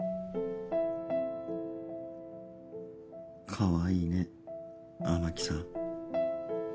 かわいいね雨樹さん。